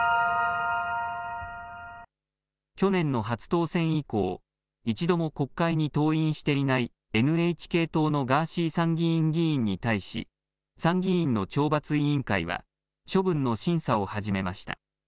去年の初当選以降、一度も国会に登院していないＮＨＫ党のガーシー参議院議員に対し、参議院の懲罰委員会は、処分の審査を始めました。